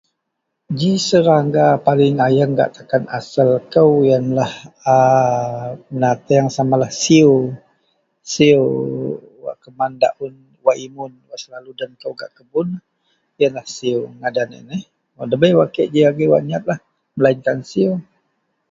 ji serangga wak paling ayeng gak takan asel kou ienlah aa benateng samalah siew, siew wak keman daun wak imun wak selalu den kou gak kebun ienlah siew ngadan ien eh , debai kek ji agei wak nyatlah melainkan siew